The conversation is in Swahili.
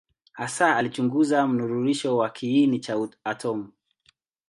Hasa alichunguza mnururisho wa kiini cha atomu.